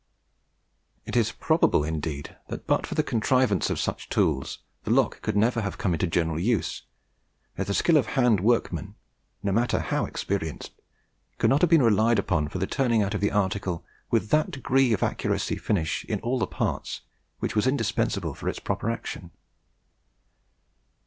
It is probable, indeed, that, but for the contrivance of such tools, the lock could never have come in to general use, as the skill of hand workmen, no matter how experienced, could not have been relied upon for turning out the article with that degree of accuracy and finish in all the parts which was indispensable for its proper action.